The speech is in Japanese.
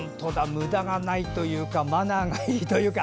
むだがないというかマナーがいいというか。